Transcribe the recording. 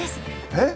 えっ？